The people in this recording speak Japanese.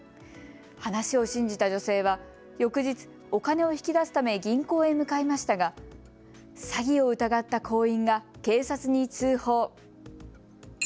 話を信じた女性は翌日、お金を引き出すため銀行へ向かいましたが詐欺を疑った行員が警察に通報。